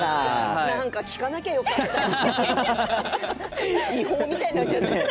何か聞かなきゃよかったかな。